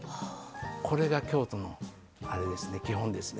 これが京都の基本ですね。